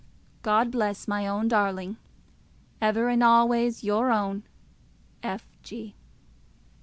God bless my own darling, Ever and always your own, F. G.